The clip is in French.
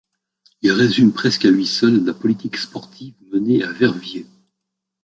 Il résume presque à lui seul la politique sportive menée à Verviers.